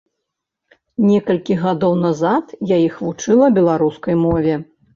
Некалькі гадоў назад я іх вучыла беларускай мове.